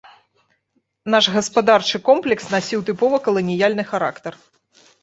Наш гаспадарчы комплекс насіў тыпова каланіяльны характар.